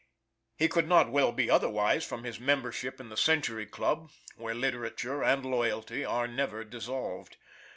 He could not well be otherwise from his membership in the Century Club where literature and loyalty, are never dissolved.